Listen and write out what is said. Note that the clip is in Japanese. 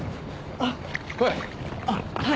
あっはい。